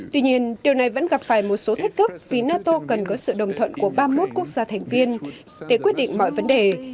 tuy nhiên điều này vẫn gặp phải một số thách thức vì nato cần có sự đồng thuận của ba mươi một quốc gia thành viên để quyết định mọi vấn đề